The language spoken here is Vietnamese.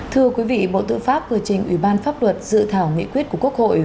thưa quý vị bộ tư pháp vừa trình ủy ban pháp luật dự thảo nghị quyết của quốc hội